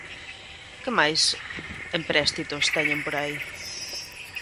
Que máis empréstitos teñen por aí?